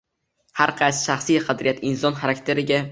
Har qaysi shaxsiy qadriyat inson xarakteriga